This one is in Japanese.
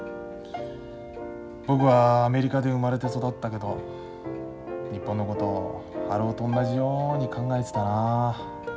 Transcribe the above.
僕はアメリカで生まれて育ったけど日本のことを春男と同じように考えてたなあ。